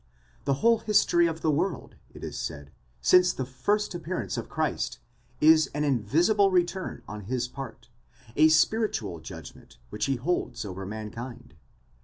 The whole history of the world, it is said, since the first appearance of Christ, is an invisible return on his part, a spiritual judgment which he holds over mankind.